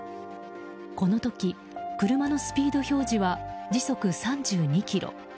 この時、車のスピード表示は時速３２キロ。